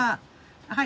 はい。